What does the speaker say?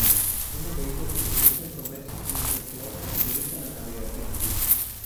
Una de ellas simboliza el comercio, mientras que la otra simboliza la navegación.